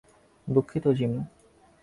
দুঃখিত, জিমি।